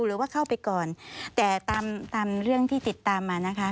หรือว่าเข้าไปก่อนแต่ตามตามเรื่องที่ติดตามมานะคะ